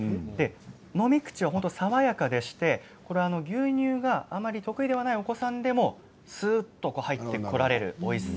飲み口は爽やかでして牛乳があまり得意ではないお子さんでもすうっと入ってこられるおいしさ。